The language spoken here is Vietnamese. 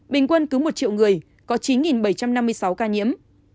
bình quân cứ một triệu người có chín bảy trăm năm mươi sáu ca nhiễm